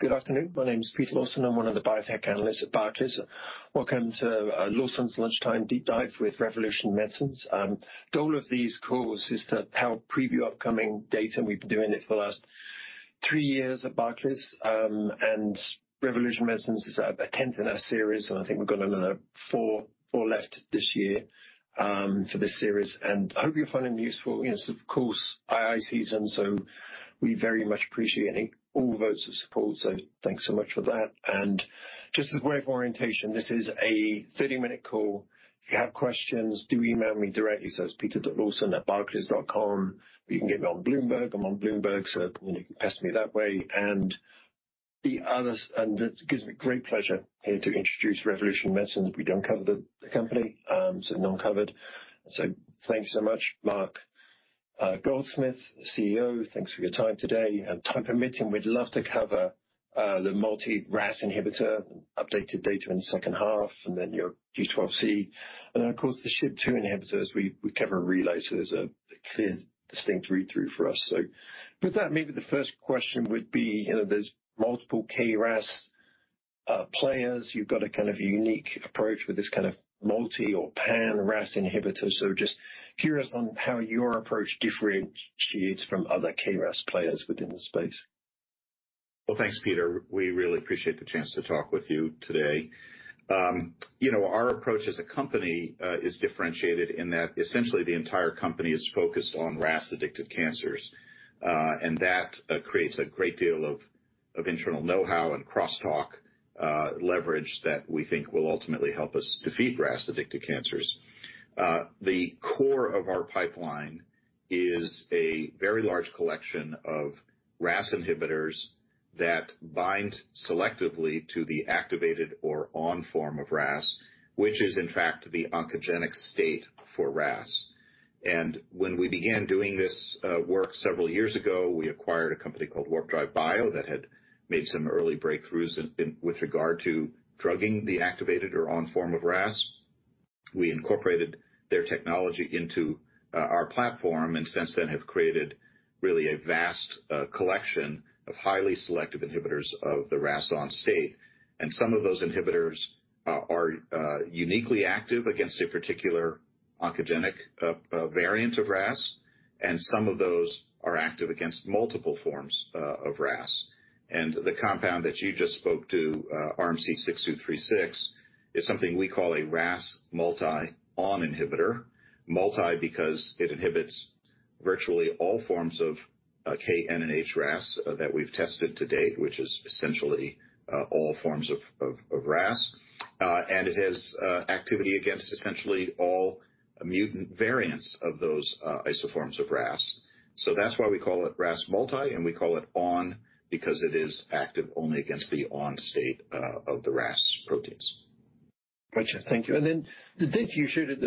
Good afternoon. My name is Peter Lawson. I'm one of the Biotech Analysts at Barclays. Welcome to Lawson's Lunchtime Deep Dive With Revolution Medicines. The goal of these calls is to help preview upcoming data. We've been doing it for the last three years at Barclays, and Revolution Medicines is our 10th in our series, and I think we've got another four left this year for this series. I hope you find them useful. It's, of course, II season, so we very much appreciate any, all votes of support. Thanks so much for that. Just as a way of orientation, this is a 30-minute call. If you have questions, do email me directly. It's peter.lawson@barclays.com. You can get me on Bloomberg. I'm on Bloomberg, you can pester me that way. It gives me great pleasure here to introduce Revolution Medicines. We don't cover the company, non-covered. Thank you so much, Mark Goldsmith, CEO, thanks for your time today. Time permitting, we'd love to cover the multi-RAS inhibitor, updated data in the second half, and then your G12C, and then, of course, the SHP2 inhibitors. We cover Relay, there's a clear distinct read-through for us. With that, maybe the first question would be, there's multiple KRAS players. You've got a kind of unique approach with this kind of multi or pan-RAS inhibitor. Just curious on how your approach differentiates from other KRAS players within the space. Well, thanks, Peter. We really appreciate the chance to talk with you today. Our approach as a company is differentiated in that essentially the entire company is focused on RAS-addicted cancers, and that creates a great deal of internal know-how and crosstalk, leverage that we think will ultimately help us defeat RAS-addicted cancers. The core of our pipeline is a very large collection of RAS inhibitors that bind selectively to the activated or ON form of RAS, which is in fact the oncogenic state for RAS. When we began doing this, work several years ago, we acquired a company called Warp Drive Bio, that had made some early breakthroughs in, with regard to drugging the activated or ON form of RAS. We incorporated their technology into our platform, and since then have created really a vast collection of highly selective inhibitors of the RAS on state. Some of those inhibitors are uniquely active against a particular oncogenic variant of RAS, and some of those are active against multiple forms of RAS. The compound that you just spoke to, RMC-6236, is something we call a RAS multi-on inhibitor. Multi because it inhibits virtually all forms of K, N, and H RAS that we've tested to date, which is essentially all forms of RAS. It has activity against essentially all mutant variants of those isoforms of RAS. That's why we call it RAS multi, and we call it ON, because it is active only against the ON state of the RAS proteins. Got it. thank you. The data you showed at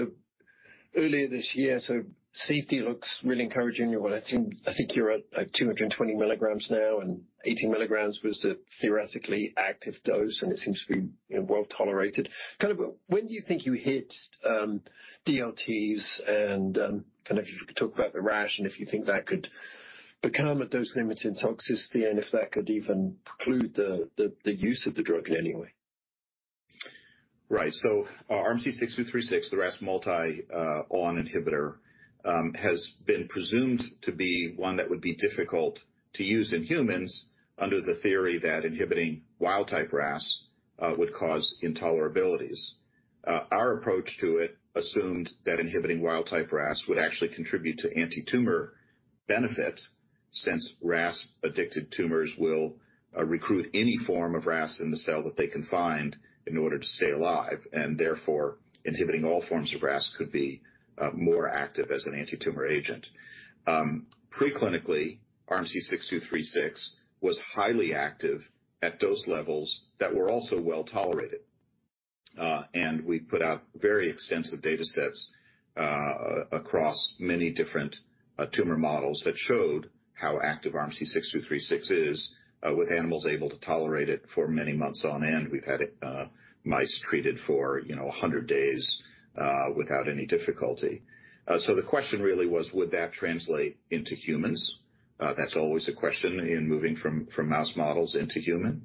early this year, so safety looks really encouraging. Well, I think you're at 220 mg now, and 80 mg was a theoretically active dose, and it seems to be, well tolerated. When do you think you hit DLTs and, could talk about the rash and if you think that could become a dose-limiting toxicity, and if that could even preclude the use of the drug in any way? Right. RMC-6236, the RAS multi ON inhibitor, has been presumed to be one that would be difficult to use in humans under the theory that inhibiting wild-type RAS would cause intolerabilities. Our approach to it assumed that inhibiting wild-type RAS would actually contribute to anti-tumor benefit, since RAS-addicted tumors will recruit any form of RAS in the cell that they can find in order to stay alive, and therefore inhibiting all forms of RAS could be more active as an anti-tumor agent. Preclinically, RMC-6236 was highly active at dose levels that were also well tolerated. We put out very extensive data sets across many different tumor models that showed how active RMC-6236 is with animals able to tolerate it for many months on end. We've had mice treated for, 100 days, without any difficulty. The question really was: Would that translate into humans? That's always a question in moving from mouse models into human.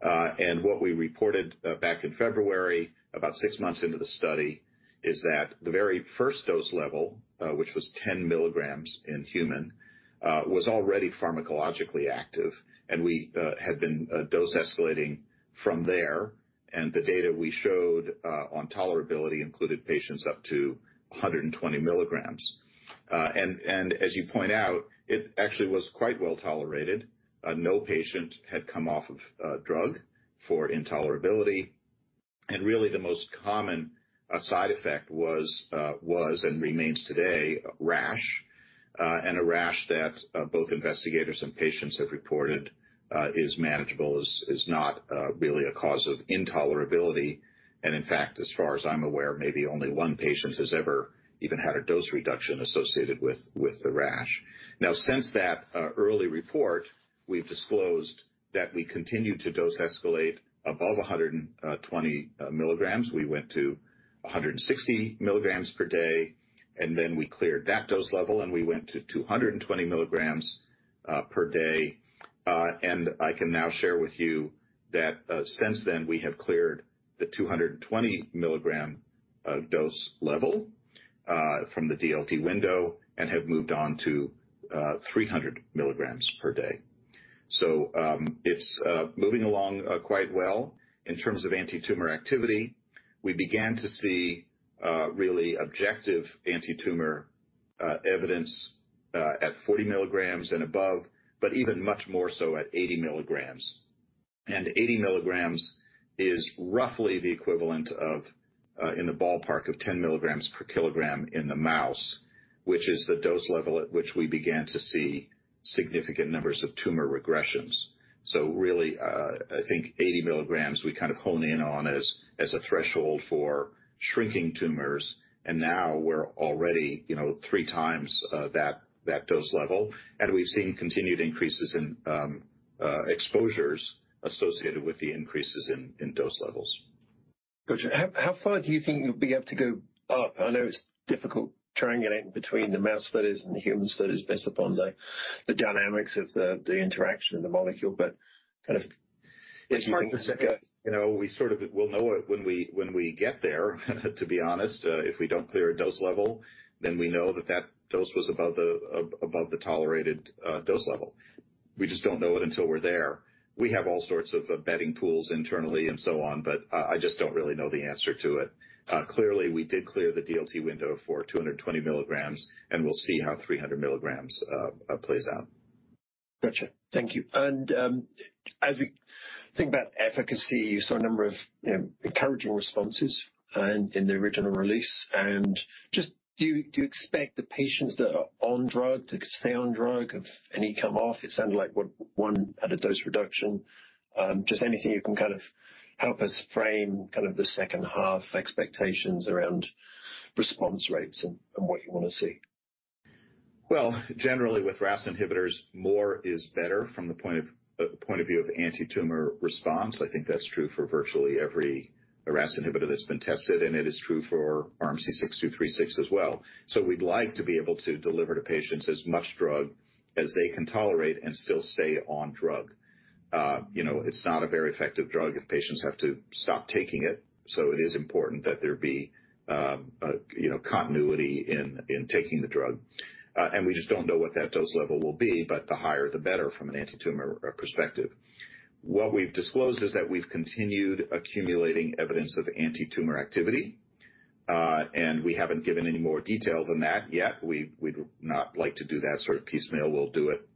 What we reported, back in February, about six months into the study, is that the very first dose level, which was 10 mg in human, was already pharmacologically active, and we had been dose escalating from there. The data we showed on tolerability included patients up to 120 mg. As you point out, it actually was quite well tolerated. No patient had come off of drug for intolerability, and really the most common side effect was and remains today, rash. A rash that both investigators and patients have reported is manageable, is not really a cause of intolerability. In fact, as far as I'm aware, maybe only one patient has ever even had a dose reduction associated with the rash. Now, since that early report, we've disclosed that we continued to dose escalate above 120 mg. We went to 160 mg per day. Then we cleared that dose level, and we went to 220 mg per day. I can now share with you that since then, we have cleared the 220 mg dose level from the DLT window and have moved on to 300 mg per day. It's moving along quite well in terms of antitumor activity. We began to see really objective antitumor evidence at 40 mg and above, but even much more so at 80 mg. 80 mg is roughly the equivalent of in the ballpark of 10 mg per kilogram in the mouse, which is the dose level at which we began to see significant numbers of tumor regressions. Really, I think 80 mg, we kind of hone in on as a threshold for shrinking tumors, and now we're already, three times that dose level. We've seen continued increases in exposures associated with the increases in dose levels. Got it. How far do you think you'll be able to go up? I know it's difficult triangulating between the mouse studies and the human studies based upon the dynamics of the interaction and the molecule. It's hard to say. We sort of we'll know it when we, when we get there, to be honest. If we don't clear a dose level, then we know that that dose was above the tolerated dose level. We just don't know it until we're there. We have all sorts of betting pools internally and so on, but I just don't really know the answer to it. Clearly, we did clear the DLT window for 220 mg, and we'll see how 300 mg plays out. Got it. thank you. As we think about efficacy, you saw a number of encouraging responses and in the original release. Just, do you expect the patients that are on drug to stay on drug? If any come off, it sounded like one had a dose reduction. Just anything you can kind of help us frame, kind of, the second half expectations around response rates and what you want to see. Generally with RAS inhibitors, more is better from the point of view of antitumor response. I think that's true for virtually every RAS inhibitor that's been tested, and it is true for RMC-6236 as well. We'd like to be able to deliver to patients as much drug as they can tolerate and still stay on drug. It's not a very effective drug if patients have to stop taking it, so it is important that there be, continuity in taking the drug. We just don't know what that dose level will be, but the higher, the better from an antitumor perspective. What we've disclosed is that we've continued accumulating evidence of antitumor activity, and we haven't given any more detail than that yet. We'd not like to do that sort of piecemeal. We'll do it,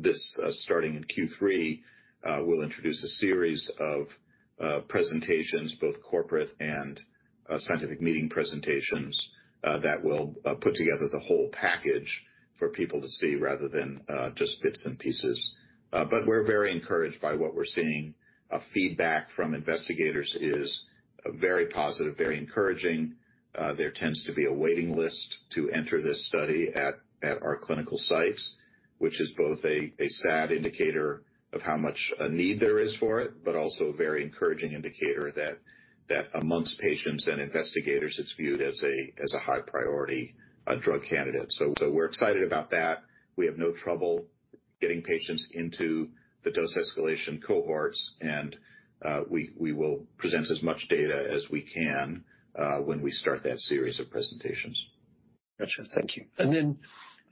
this starting in Q3, we'll introduce a series of presentations, both corporate and scientific meeting presentations, that will put together the whole package for people to see rather than just bits and pieces. We're very encouraged by what we're seeing. A feedback from investigators is very positive, very encouraging. There tends to be a waiting list to enter this study at our clinical sites, which is both a sad indicator of how much a need there is for it, but also a very encouraging indicator that amongst patients and investigators, it's viewed as a high priority, drug candidate. We're excited about that. We have no trouble getting patients into the dose escalation cohorts, and we will present as much data as we can when we start that series of presentations. Got it. thank you. Then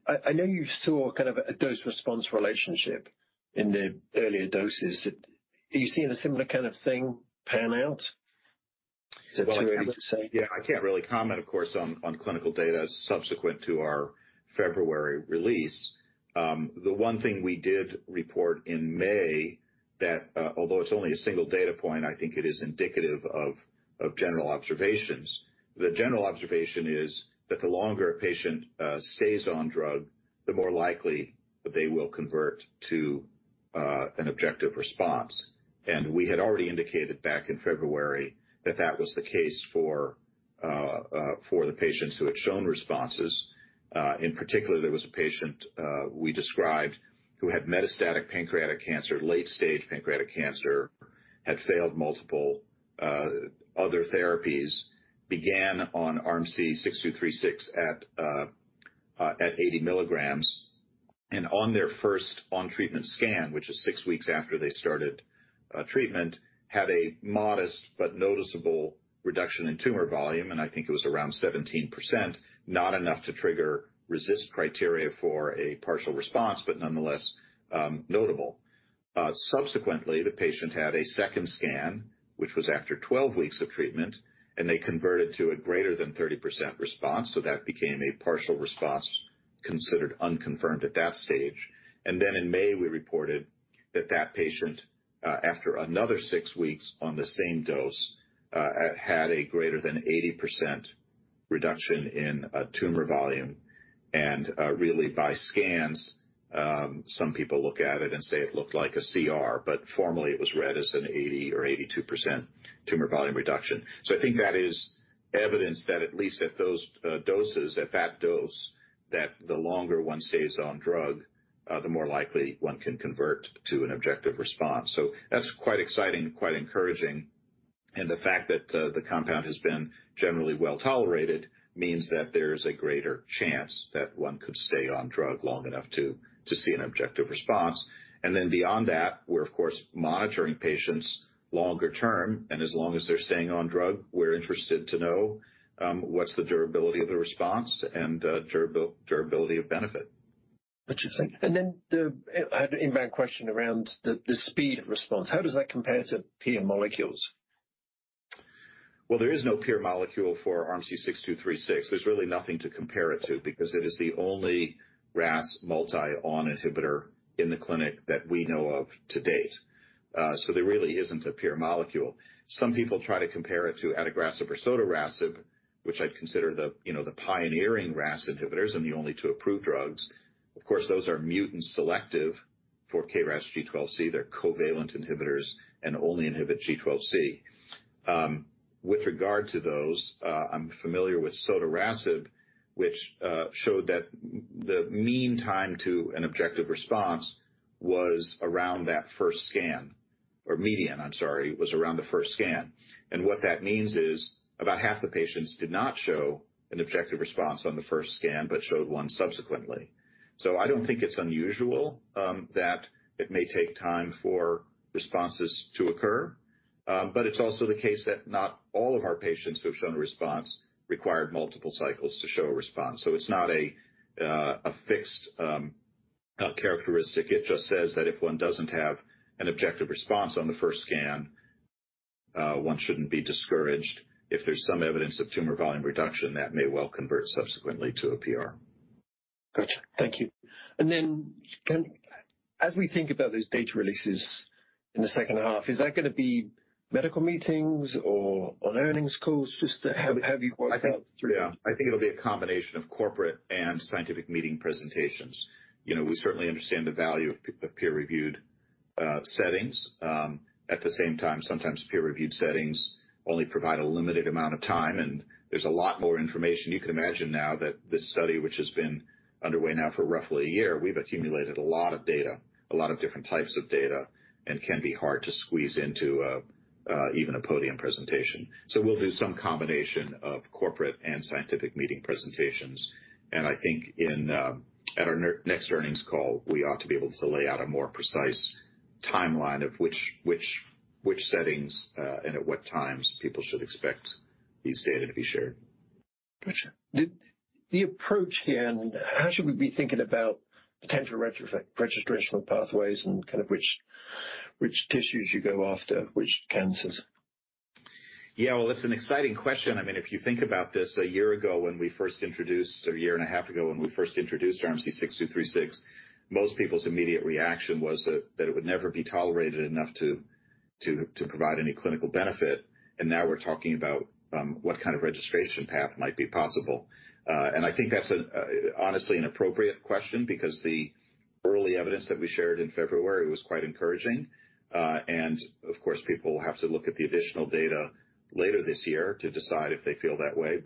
I know you saw kind of a dose-response relationship in the earlier doses. Are you seeing a similar kind of thing pan out to say? Yeah, I can't really comment, of course, on clinical data subsequent to our February release. The one thing we did report in May that, although it's only a single data point, I think it is indicative of general observations. The general observation is that the longer a patient stays on drug, the more likely that they will convert to an objective response. We had already indicated back in February that that was the case for the patients who had shown responses. In particular, there was a patient we described who had metastatic pancreatic cancer, late-stage pancreatic cancer, had failed multiple other therapies, began on RMC-6236 at 80 mg, and on their first on treatment scan, which is six weeks after they started treatment, had a modest but noticeable reduction in tumor volume, and I think it was around 17%, not enough to trigger RECIST criteria for a partial response, but nonetheless, notable. Subsequently, the patient had a second scan, which was after 12 weeks of treatment, they converted to a greater than 30% response, that became a partial response, considered unconfirmed at that stage. In May, we reported that that patient, after another six weeks on the same dose, had a greater than 80% reduction in tumor volume. Really, by scans, some people look at it and say it looked like a CR, but formally, it was read as an 80% or 82% tumor volume reduction. I think that is evidence that at least at those doses, at that dose, that the longer one stays on drug, the more likely one can convert to an objective response. That's quite exciting, quite encouraging. The fact that the compound has been generally well tolerated means that there's a greater chance that one could stay on drug long enough to see an objective response. Beyond that, we're, of course, monitoring patients longer term, and as long as they're staying on drug, we're interested to know what's the durability of the response and durability of benefit. Got it. Thank you. I had an inbound question around the speed of response. How does that compare to peer molecules? Well, there is no peer molecule for RMC-6236. There's really nothing to compare it to because it is the only RAS multi-on inhibitor in the clinic that we know of to date. There really isn't a peer molecule. Some people try to compare it to Adagrasib or Sotorasib, which I'd consider the pioneering RAS inhibitors and the only two approved drugs. Of course, those are mutant selective for KRAS G12C. They're covalent inhibitors and only inhibit G12C. With regard to those, I'm familiar with Sotorasib, which showed that the mean time to an objective response was around that first scan, or median, I'm sorry, was around the first scan. What that means is, about half the patients did not show an objective response on the first scan, but showed one subsequently. I don't think it's unusual that it may take time for responses to occur, but it's also the case that not all of our patients who've shown a response required multiple cycles to show a response. It's not a fixed characteristic. It just says that if one doesn't have an objective response on the first scan, one shouldn't be discouraged. If there's some evidence of tumor volume reduction, that may well convert subsequently to a PR. Got it. thank you. Then as we think about these data releases in the second half, is that gonna be medical meetings or on earnings calls, just to have you worked out through? I think it'll be a combination of corporate and scientific meeting presentations. We certainly understand the value of peer-reviewed settings. At the same time, sometimes peer-reviewed settings only provide a limited amount of time, and there's a lot more information. You can imagine now that this study, which has been underway now for roughly a year, we've accumulated a lot of data, a lot of different types of data, and can be hard to squeeze into even a podium presentation. We'll do some combination of corporate and scientific meeting presentations, and in our next earnings call, we ought to be able to lay out a more precise timeline of which settings and at what times people should expect these data to be shared. Got it. the approach then, how should we be thinking about potential registrational pathways and kind of which tissues you go after, which cancers? Yeah, well, it's an exciting question. If you think about this, a year ago, a year and a half ago, when we first introduced RMC-6236, most people's immediate reaction was that it would never be tolerated enough to provide any clinical benefit. Now we're talking about what kind of registration path might be possible. I think that's honestly an appropriate question, because the early evidence that we shared in February was quite encouraging. Of course, people will have to look at the additional data later this year to decide if they feel that way.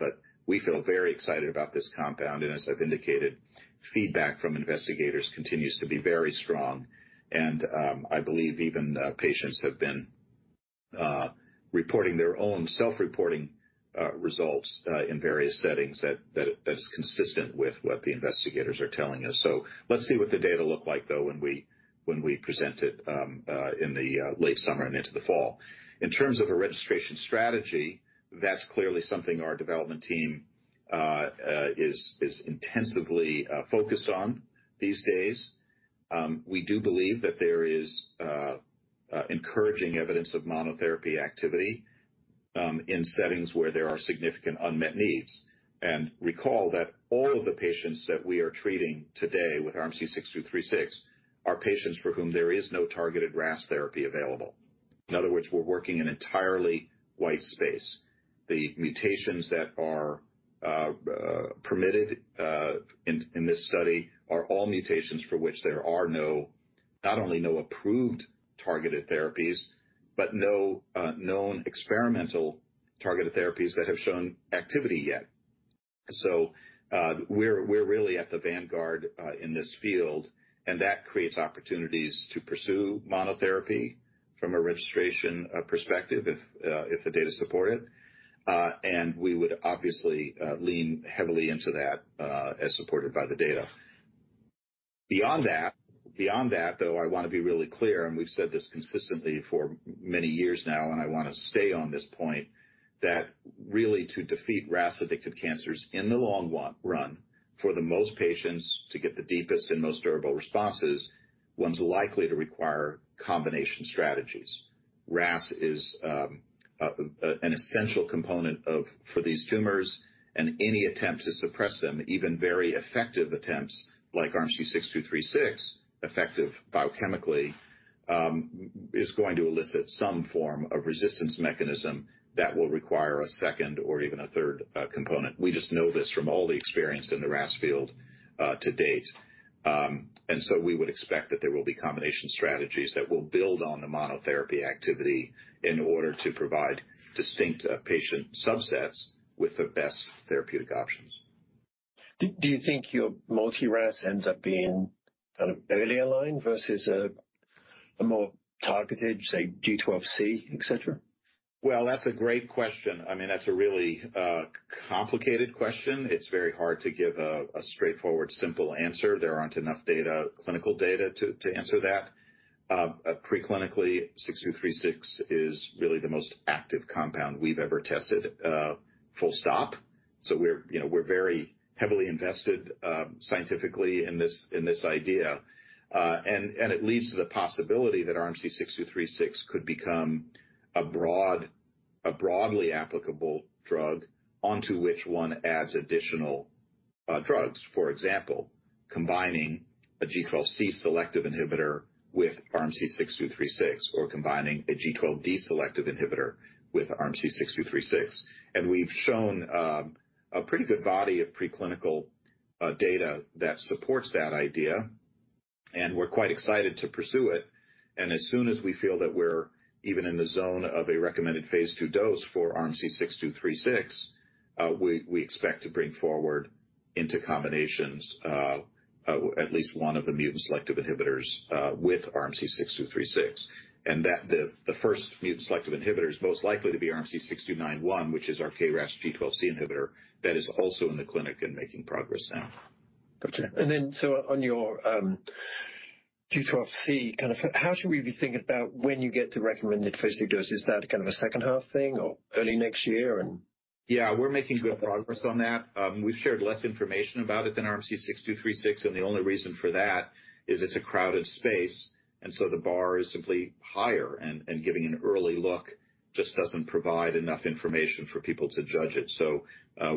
We feel very excited about this compound, and as I've indicated, feedback from investigators continues to be very strong, and I believe even patients have been reporting their own self-reporting results in various settings that is consistent with what the investigators are telling us. Let's see what the data look like, though, when we present it in the late summer and into the fall. In terms of a registration strategy, that's clearly something our development team is intensively focused on these days. We do believe that there is encouraging evidence of monotherapy activity in settings where there are significant unmet needs. Recall that all of the patients that we are treating today with RMC-6236 are patients for whom there is no targeted RAS therapy available. In other words, we're working in entirely white space. The mutations that are permitted in this study are all mutations for which there are no, not only no approved targeted therapies, but no known experimental targeted therapies that have shown activity yet. We're really at the vanguard in this field, and that creates opportunities to pursue monotherapy from a registration perspective, if the data support it, and we would obviously lean heavily into that as supported by the data. Beyond that, though, I want to be really clear, and we've said this consistently for many years now, and I want to stay on this point, that really to defeat RAS-addicted cancers in the long run, for the most patients to get the deepest and most durable responses, one's likely to require combination strategies. RAS is an essential component of, for these tumors, and any attempt to suppress them, even very effective attempts, like RMC-6236, effective biochemically, is going to elicit some form of resistance mechanism that will require a second or even a third component. We just know this from all the experience in the RAS field to date. We would expect that there will be combination strategies that will build on the monotherapy activity in order to provide distinct patient subsets with the best therapeutic options. Do you think your multi RAS ends up being kind of earlier line versus a more targeted, say, G12C, et cetera? Well, that's a great question. I mean, that's a really complicated question. It's very hard to give a straightforward, simple answer. There aren't enough data, clinical data to answer that. Preclinically, 6236 is really the most active compound we've ever tested, full stop. We're very heavily invested scientifically in this idea, and it leads to the possibility that RMC-6236 could become a broad, broadly applicable drug onto which one adds additional drugs. For example, combining a G12C selective inhibitor with RMC-6236, or combining a G12D selective inhibitor with RMC-6236. We've shown a pretty good body of preclinical data that supports that idea, and we're quite excited to pursue it. As soon as we feel that we're even in the zone of a recommended phase II dose for RMC-6236, we expect to bring forward into combinations at least one of the mutant selective inhibitors with RMC-6236. That the first mutant selective inhibitor is most likely to be RMC-6291, which is our KRAS G12C inhibitor that is also in the clinic and making progress now. Got it. on your G12C, how should we be thinking about when you get the recommended Phase II dose? Is that kind of a second-half thing or early next year? We're making good progress on that. We've shared less information about it than RMC-6236, and the only reason for that is it's a crowded space, and so the bar is simply higher, and giving an early look just doesn't provide enough information for people to judge it.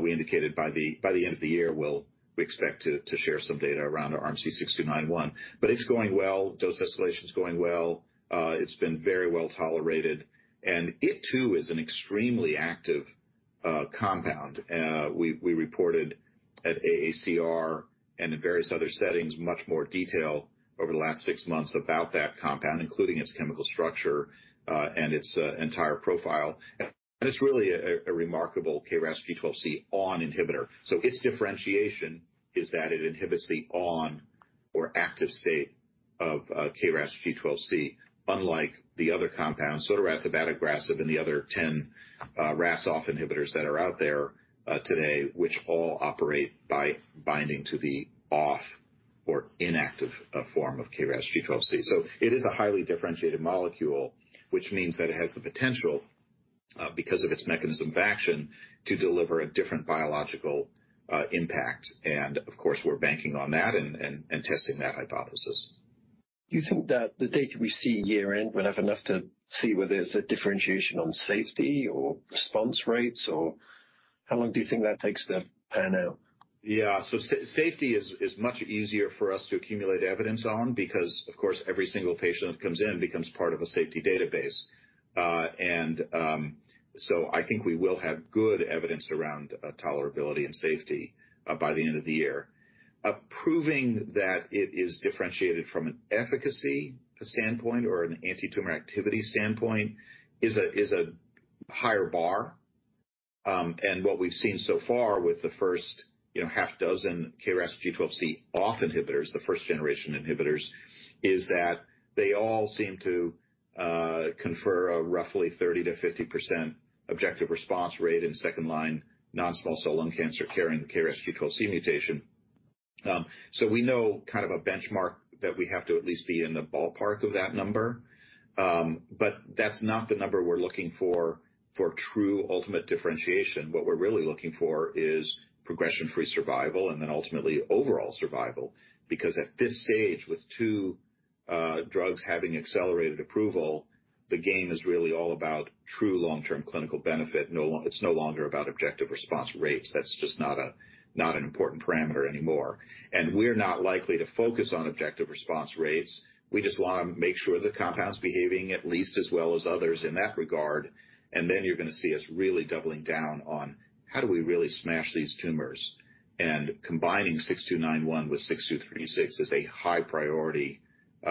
We indicated by the end of the year, we expect to share some data around our RMC-6291. It's going well, dose escalation is going well. It's been very well tolerated, and it, too, is an extremely active compound. We reported at AACR and in various other settings, much more detail over the last six months about that compound, including its chemical structure, and its entire profile. It's really a remarkable KRAS G12C on inhibitor. Its differentiation is that it inhibits the on or active state of KRAS G12C, unlike the other compounds, Sotorasib, Adagrasib, and the other 10 RAS off inhibitors that are out there today, which all operate by binding to the off or inactive form of KRAS G12C. It is a highly differentiated molecule, which means that it has the potential, because of its mechanism of action, to deliver a different biological impact. Of course, we're banking on that and testing that hypothesis. Do you think that the data we see year-end, we'll have enough to see whether there's a differentiation on safety or response rates, or how long do you think that takes to pan out? Yeah. Safety is much easier for us to accumulate evidence on because, of course, every single patient that comes in becomes part of a safety database. I think we will have good evidence around tolerability and safety by the end of the year. Proving that it is differentiated from an efficacy standpoint or an antitumor activity standpoint is a higher bar. What we've seen so far with the first half dozen KRAS G12C off inhibitors, the first-generation inhibitors, is that they all seem to confer a roughly 30% to 50% objective response rate in second line, non-small cell lung cancer carrying the KRAS G12C mutation. We know kind of a benchmark that we have to at least be in the ballpark of that number. That's not the number we're looking for true ultimate differentiation. What we're really looking for is progression-free survival and then ultimately overall survival, because at this stage, with two drugs having accelerated approval, the game is really all about true long-term clinical benefit. It's no longer about objective response rates. That's just not an important parameter anymore. We're not likely to focus on objective response rates. We just want to make sure the compound's behaving at least as well as others in that regard, then you're gonna see us really doubling down on how do we really smash these tumors? Combining RMC-6291 with RMC-6236 is a high priority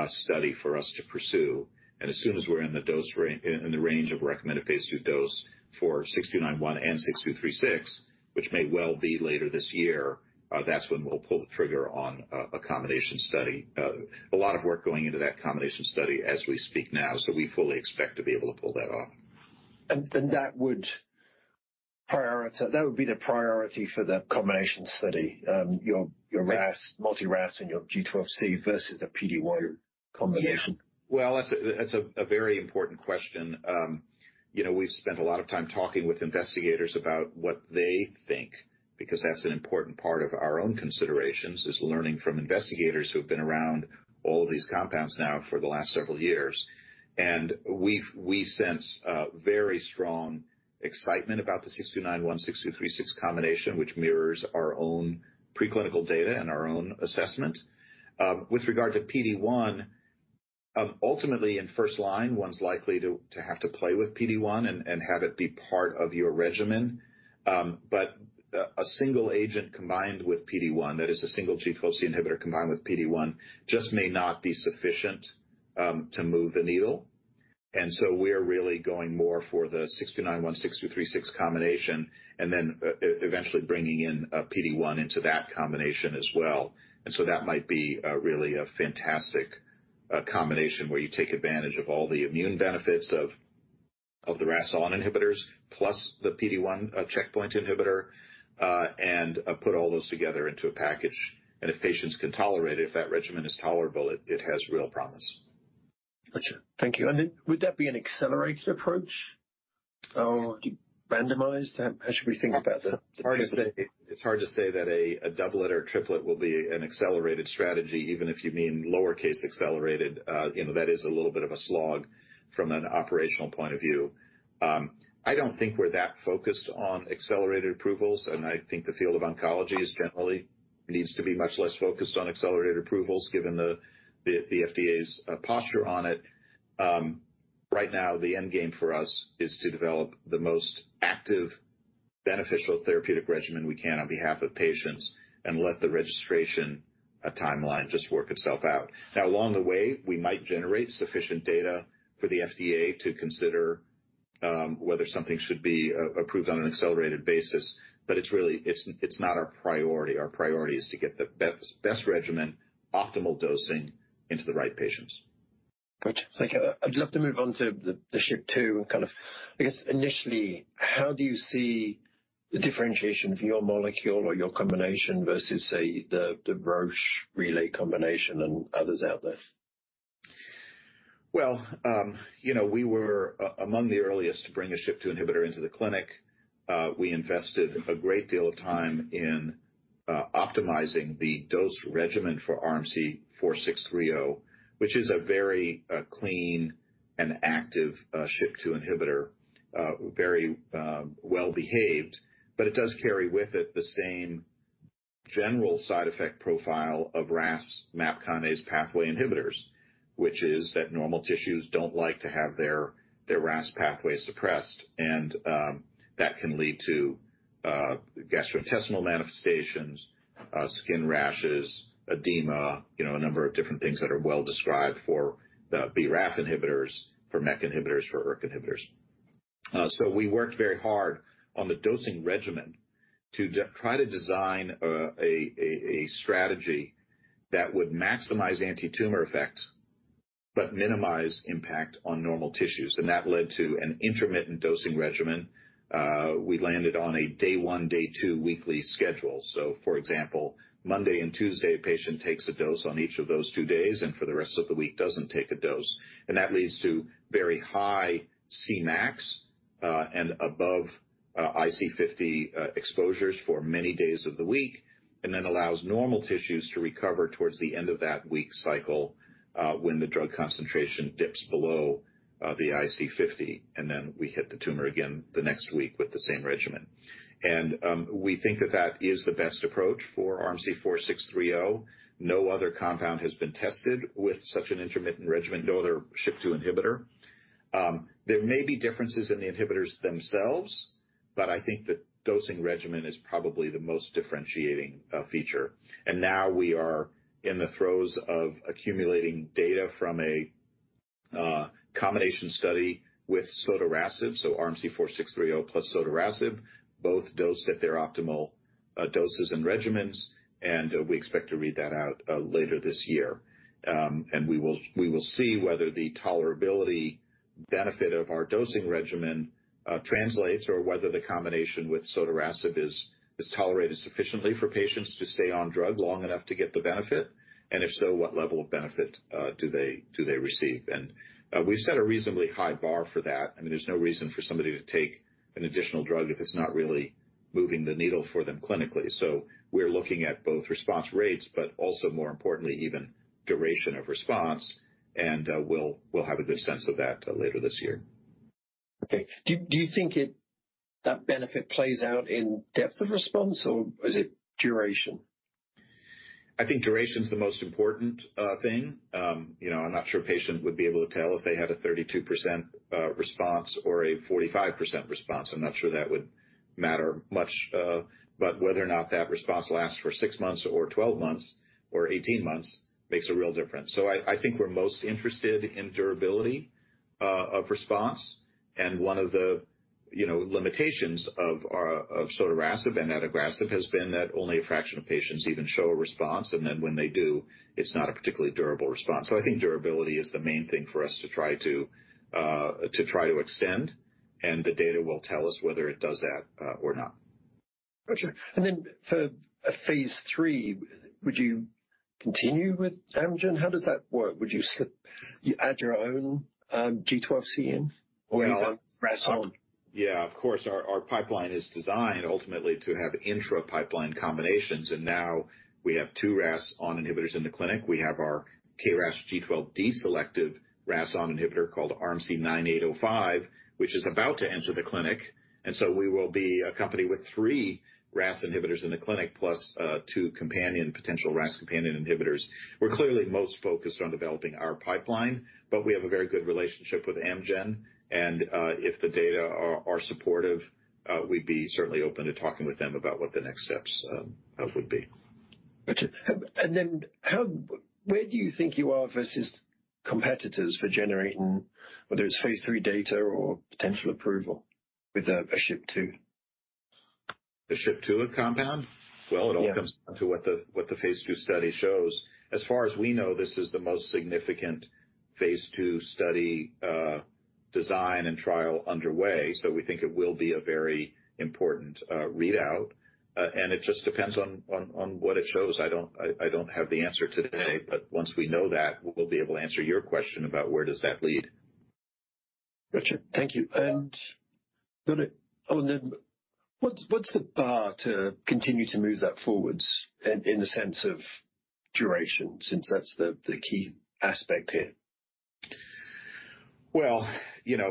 study for us to pursue. As soon as we're in the range of recommended Phase II dose for RMC-6291 and RMC-6236, which may well be later this year, that's when we'll pull the trigger on a combination study. A lot of work going into that combination study as we speak now, so we fully expect to be able to pull that off. That would be the priority for the combination study, your RAS, multi RAS and your G12C versus the PD-1 combination? Well, that's a very important question. We've spent a lot of time talking with investigators about what they think, because that's an important part of our own considerations, is learning from investigators who've been around all these compounds now for the last several years. We sense a very strong excitement about the RMC-6291, RMC-6236 combination, which mirrors our own preclinical data and our own assessment. With regard to PD-1, ultimately, in first line, one's likely to have to play with PD-1 and have it be part of your regimen. A single agent combined with PD-1, that is, a single G12C inhibitor combined with PD-1, just may not be sufficient to move the needle.... We're really going more for the RMC-6291, RMC-6236 combination, then, eventually bringing in a PD-1 into that combination as well. That might be, really a fantastic combination, where you take advantage of all the immune benefits of the RAS(ON) inhibitors, plus the PD-1 checkpoint inhibitor, and put all those together into a package. If patients can tolerate it, if that regimen is tolerable, it has real promise. Got it. thank you. Would that be an accelerated approach, or randomized? How should we think about that? It's hard to say that a doublet or triplet will be an accelerated strategy, even if you mean lowercase accelerated. That is a little bit of a slog from an operational point of view. I don't think we're that focused on accelerated approvals, and I think the field of oncology is generally needs to be much less focused on accelerated approvals, given the FDA's posture on it. Right now, the end game for us is to develop the most active, beneficial therapeutic regimen we can on behalf of patients and let the registration timeline just work itself out. Along the way, we might generate sufficient data for the FDA to consider whether something should be approved on an accelerated basis, but it's really. It's not our priority. Our priority is to get the best regimen, optimal dosing into the right patients. Got it. thank you. I'd love to move on to the SHP2 initially, how do you see the differentiation of your molecule or your combination versus, say, the Roche Relay combination and others out there? Well, we were among the earliest to bring a SHP2 inhibitor into the clinic. We invested a great deal of time in optimizing the dose regimen for RMC-4630, which is a very clean and active SHP2 inhibitor. Very well behaved, but it does carry with it the same general side effect profile of RAS MAPK pathway inhibitors, which is that normal tissues don't like to have their RAS pathway suppressed. That can lead to gastrointestinal manifestations, skin rashes, edema, a number of different things that are well described for the BRAF inhibitors, for MEK inhibitors, for ERK inhibitors. We worked very hard on the dosing regimen to try to design a strategy that would maximize antitumor effects, but minimize impact on normal tissues, and that led to an intermittent dosing regimen. We landed on a day one, day two weekly schedule. For example, Monday and Tuesday, a patient takes a dose on each of those two days, and for the rest of the week, doesn't take a dose. That leads to very high Cmax and above IC50 exposures for many days of the week, and then allows normal tissues to recover towards the end of that week cycle, when the drug concentration dips below the IC50, and then we hit the tumor again the next week with the same regimen. We think that that is the best approach for RMC-4630. No other compound has been tested with such an intermittent regimen, no other SHP2 inhibitor. There may be differences in the inhibitors themselves, but I think the dosing regimen is probably the most differentiating feature. Now we are in the throes of accumulating data from a combination study with Sotorasib, so RMC-4630 plus Sotorasib, both dosed at their optimal doses and regimens, and we expect to read that out later this year. We will see whether the tolerability benefit of our dosing regimen translates, or whether the combination with Sotorasib is tolerated sufficiently for patients to stay on drug long enough to get the benefit, and what level of benefit do they receive? We've set a reasonably high bar for that, and there's no reason for somebody to take an additional drug if it's not really moving the needle for them clinically. We're looking at both response rates, but also, more importantly, even duration of response, we'll have a good sense of that, later this year. Okay. Do you think that benefit plays out in depth of response, or is it duration? I think duration is the most important thing. I'm not sure a patient would be able to tell if they had a 32% response or a 45% response. I'm not sure that would matter much, but whether or not that response lasts for six months or 12 months or 18 months makes a real difference. I think we're most interested in durability of response. One of the limitations of sotorasib and Adagrasib has been that only a fraction of patients even show a response, and then when they do, it's not a particularly durable response. I think durability is the main thing for us to try to extend, and the data will tell us whether it does that or not. Got it. for a phase III, would you continue with Amgen? How does that work? Would you add your own, G12C in or RAS(ON)? Yeah, of course, our pipeline is designed ultimately to have intra-pipeline combinations, and now we have two RAS(ON) inhibitors in the clinic. We have our KRAS G12D selective RAS(ON) inhibitor called RMC-9805, which is about to enter the clinic. We will be a company with three RAS inhibitors in the clinic, plus two companion, potential RAS companion inhibitors. We're clearly most focused on developing our pipeline, but we have a very good relationship with Amgen, and if the data are supportive, we'd be certainly open to talking with them about what the next steps would be. Got it. where do you think you are versus competitors for generating, whether it's phase III data or potential approval with a SHP2? The SHP2 compound? Yeah. It all comes down to what the phase two study shows. As far as we know, this is the most significant phase two study design and trial underway, so we think it will be a very important readout. It just depends on what it shows. I don't have the answer today, but once we know that, we'll be able to answer your question about where does that lead. Got it. thank you. What's the bar to continue to move that forward in the sense of duration, since that's the key aspect here?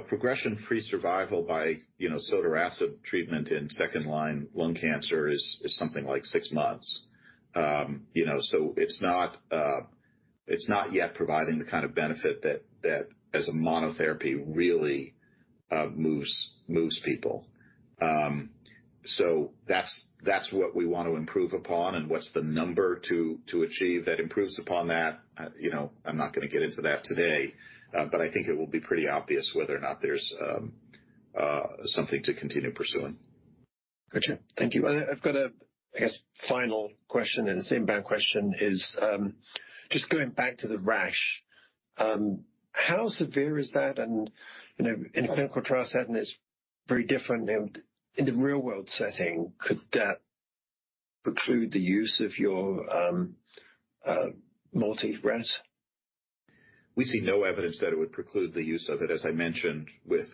Progression-free survival by sotorasib treatment in second-line lung cancer is something like six months. It's not yet providing the kind of benefit that, as a monotherapy, really moves people. That's what we want to improve upon and what's the number to achieve that improves upon that. I'm not gonna get into that today, but I think it will be pretty obvious whether or not there's something to continue pursuing. Got it. thank you. I've got a, final question, and it's an inbound question, is, just going back to the rash, how severe is that? In a clinical trial setting, it's very different. In the real-world setting, could that preclude the use of your multi-RAS? We see no evidence that it would preclude the use of it. As I mentioned, with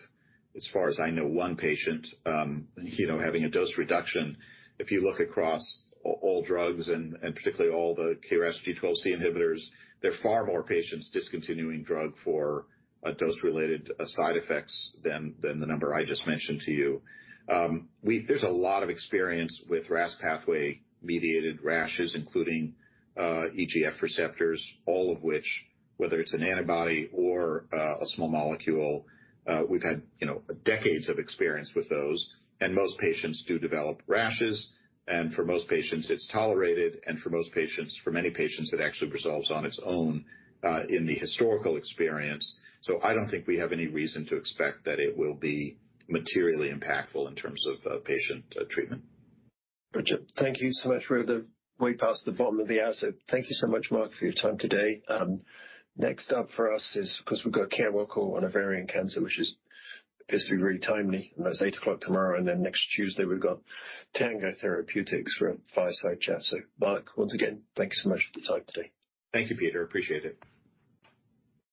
as far as I know, onepatient having a dose reduction. If you look across all drugs and particularly all the KRAS G12C inhibitors, there are far more patients discontinuing drug for a dose-related side effects than the number I just mentioned to you. There's a lot of experience with RAS pathway-mediated rashes, including EGF receptors, all of which, whether it's an antibody or a small molecule, we've had decades of experience with those, and most patients do develop rashes, and for most patients it's tolerated, and for most patients, for many patients, it actually resolves on its own in the historical experience. I don't think we have any reason to expect that it will be materially impactful in terms of patient treatment. Got it. thank you so much. We're the way past the bottom of the hour, so thank you so much, Mark, for your time today. Next up for us is, of course, we've got Corcept call on ovarian cancer, which is goes to be really timely, and that's 8:00 tomorrow, and then next Tuesday, we've got Tango Therapeutics for a fireside chat. Mark, once again, thank you so much for the time today. Thank you, Peter. Appreciate it.